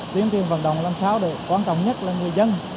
tiếng tuyển vận động lần sau quan trọng nhất là người dân